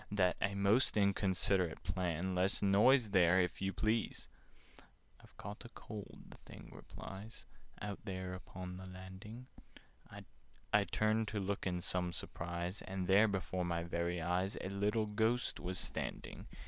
That's a most inconsiderate plan. Less noise there, if you please!" [Picture: The Thing standing by chair] "I've caught a cold," the Thing replies, "Out there upon the landing." I turned to look in some surprise, And there, before my very eyes, A little Ghost was standing!